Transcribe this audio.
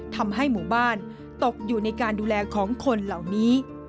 ทำให้หมู่บ้านตกอยู่ในการดูแลของคนเหล่านี้